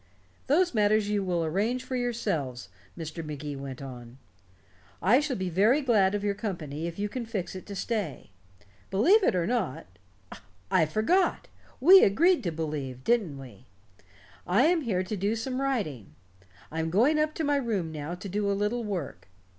"Those matters you will arrange for yourselves," Mr. Magee went on. "I shall be very glad of your company if you can fix it to stay. Believe it or not I forgot, we agreed to believe, didn't we? I am here to do some writing. I'm going up to my room now to do a little work.